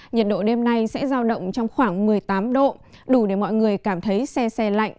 nhiệt độ đêm nay sẽ giao động trong khoảng một mươi tám độ đủ để mọi người cảm thấy xe xe lạnh